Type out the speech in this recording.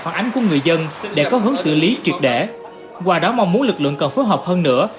phản ánh của người dân để có hướng xử lý truyệt để qua đó mong muốn lực lượng còn phối hợp hơn nữa